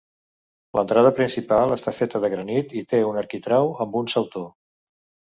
L'entrada principal està feta de granit i té un arquitrau amb un sautor.